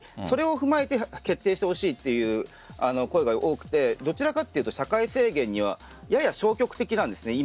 それを踏まえて決定してほしいという声が多くてどちらかというと社会制限にはやや消極的なんです。